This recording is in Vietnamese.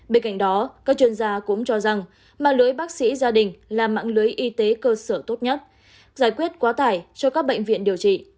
bên cạnh đó các chuyên gia cũng cho rằng mạng lưới bác sĩ gia đình là mạng lưới y tế cơ sở tốt nhất giải quyết quá tải cho các bệnh viện điều trị